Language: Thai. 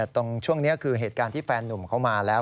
ตรงช่วงนี้คือเหตุการณ์ที่แฟนหนุ่มเขามาแล้ว